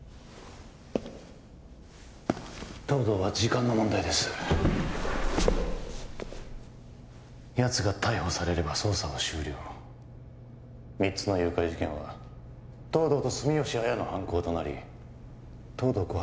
東堂は時間の問題ですやつが逮捕されれば捜査は終了三つの誘拐事件は東堂と住吉亜矢の犯行となり東堂心